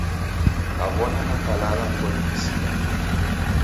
Kaw'ona nakalala koniw'usira.